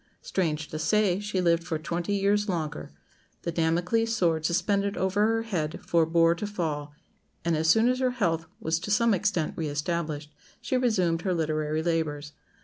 Strange to say, she lived for twenty years longer; the Damocles' sword suspended over her head forbore to fall, and as soon as her health was to some extent re established she resumed her literary labours.